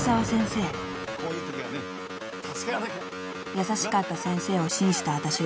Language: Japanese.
［優しかった先生を信じたわたしは］